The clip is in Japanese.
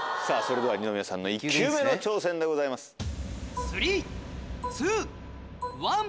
さぁそれでは二宮さんの１球目の挑戦でございます。